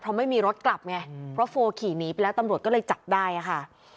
เพราะไม่มีรถกลับไงเพราะโฟลขี่หนีไปแล้วตำรวจก็เลยจับได้ค่ะ